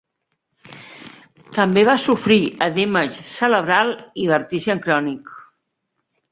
També va sofrir edema cerebral i vertigen crònic.